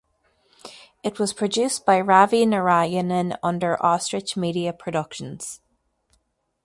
It was produced by Ravi Narayanan under Ostrich Media Productions.